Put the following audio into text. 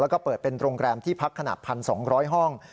แล้วก็เปิดเป็นโรงแรมที่พักขนาด๑๒๐๐ห้อง